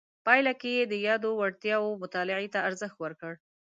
پایله کې یې د یادو وړتیاو مطالعې ته ارزښت ورکړ.